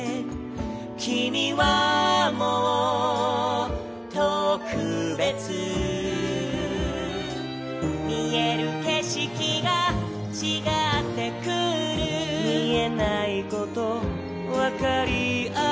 「きみはもう『とくべつ』」「みえるけしきがちがってくる」「みえないことわかりあえる」